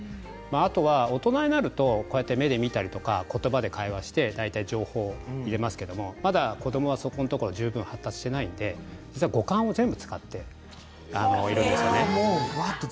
あとは大人になるとこうやって目で見たり、言葉で会話して大体、情報を入れますけどまだ子どもはそこのところ十分、発達していないので五感を全部使っているんですね。